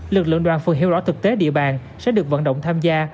lực lượng đoàn phường hiệu rõ thực tế địa bàn sẽ được vận động tham gia